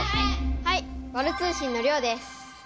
はいワル通信のりょうです。